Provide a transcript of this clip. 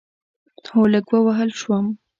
هو، لږ ووهل شوم